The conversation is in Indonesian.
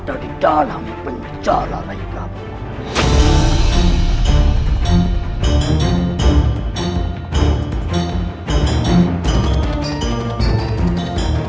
dia berada di dalam penjara rai prabowo